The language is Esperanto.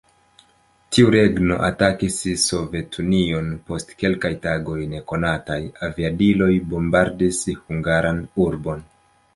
Tiu regno atakis Sovetunion, post kelkaj tagoj nekonataj aviadiloj bombardis hungaran urbon.